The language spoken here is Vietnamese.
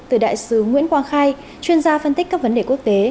từ đại sứ nguyễn quang khai chuyên gia phân tích các vấn đề quốc tế